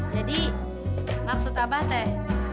jadi maksud abah teh